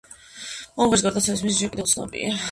მომღერლის გარდაცვალების მიზეზი ჯერ კიდევ უცნობია.